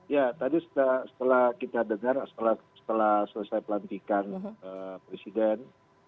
ya tadi setelah kita dengar setelah selesai pelantikan presiden